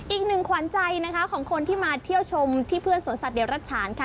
อีกหนึ่งขวัญใจนะคะของคนที่มาเที่ยวชมที่เพื่อนสวนสัตว์ฉานค่ะ